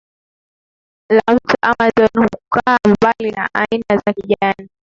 la mto Amazon hukaa mbali na aina za kijani